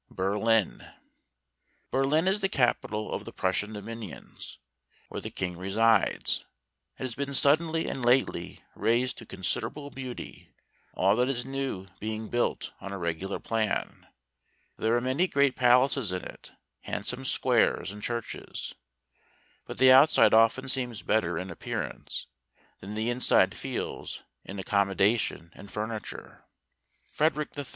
63 . Berlin . Berlin is the capital of the Prussian dominions, where the King resides. It has been suddenly, and lately, raised to considerable beauty; all that is new being built on a regular plan. There are many grand palaces in it, handsome squares, and churches ; but the outside often seems better in appearance, than the inside feels in accommo¬ dation and furniture. Frederick III.